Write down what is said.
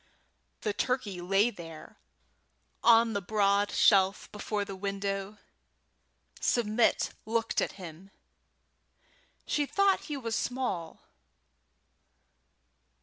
The turkey lay there on the broad shelf before the window. Submit looked at him. She thought he was small.